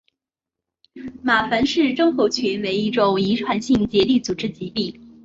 马凡氏症候群为一种遗传性结缔组织疾病。